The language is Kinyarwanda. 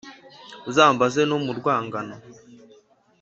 uzambaze no mu rwangano,